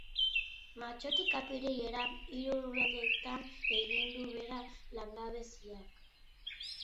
Martxotik apirilera hiru lurraldeetan egin du behera langabeziak.